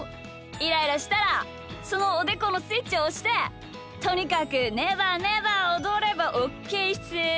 イライラしたらそのおでこのスイッチをおしてとにかくねばねばおどればオッケーっす。